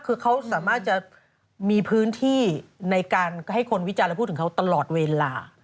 คือเขาสามารถจะมีพื้นที่ในการให้คนวิจารณ์พูดถึงเขาตลอดเวลา